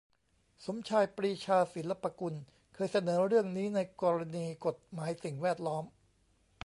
สมชาย ปรีชาศิลปกุล เคยเสนอเรื่องนี้ในกรณีกฎหมายสิ่งแวดล้อม